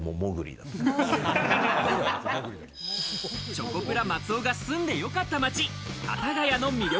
チョコプラ・松尾が住んでよかった町、幡ヶ谷の魅力